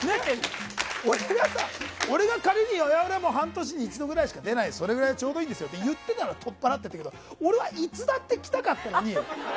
俺が仮に半年に一度くらいしか出ないそれくらいがちょうどいいんですよって言ってたら取っ払ったけど俺はいつだって来たかったのに。